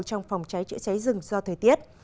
trong phòng cháy chữa cháy rừng do thời tiết